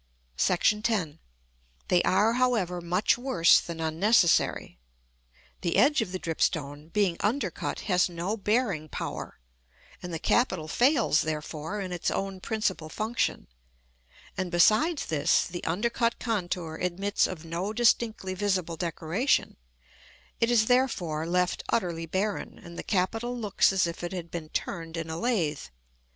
§ X. They are, however, much worse than unnecessary. [Illustration: Fig. XXII.] The edge of the dripstone, being undercut, has no bearing power, and the capital fails, therefore, in its own principal function; and besides this, the undercut contour admits of no distinctly visible decoration; it is, therefore, left utterly barren, and the capital looks as if it had been turned in a lathe.